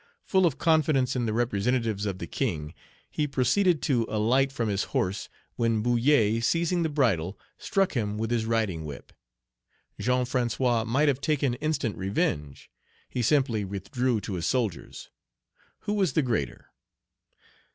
Full of confidence in the representatives of the king, he proceeded to alight from his horse, when Bullet, seizing the bridle, struck him with his riding whip. Jean François might have taken instant revenge; he simply withdrew to his soldiers. Who was the greater?